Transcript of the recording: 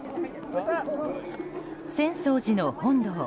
浅草寺の本堂。